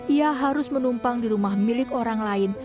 ia harus menumpang di rumah milik orang lain